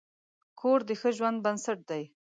کور د ښه ژوند بنسټ دی.